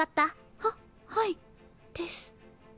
はっはいです。